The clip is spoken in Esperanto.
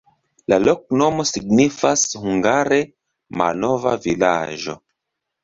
La loknomo signifas hungare: malnova-vilaĝo.